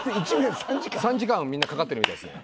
３時間はみんなかかってるみたいですね。